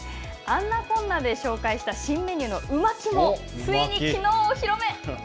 「あんなこんな」で紹介した新メニューのう巻きもついに、きのう、お披露目。